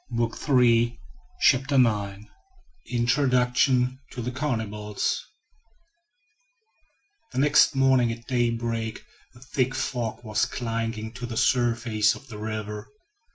CHAPTER IX INTRODUCTION TO THE CANNIBALS THE next morning at daybreak a thick fog was clinging to the surface of the river.